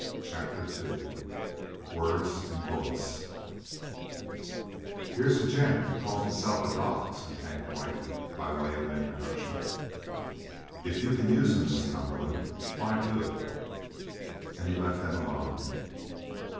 CHAPTER II WORDS AND BULLETS "Here's a gent that calls himself a doc," said Hank Dwight by way of an introduction. "If you can use him, Miss Cumberland, fly to it!" And he left them alone.